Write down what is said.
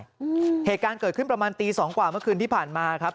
เหตุการณ์เกิดขึ้นประมาณตีสองกว่าเมื่อคืนที่ผ่านมาครับ